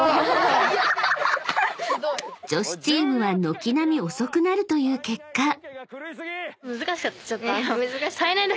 ［女子チームは軒並み遅くなるという結果］